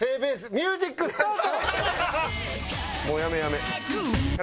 ミュージックスタート！